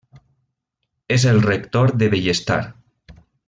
És el rector de Bellestar.